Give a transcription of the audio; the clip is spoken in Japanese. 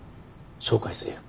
紹介するよ。